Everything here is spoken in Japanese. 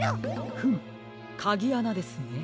フムかぎあなですね。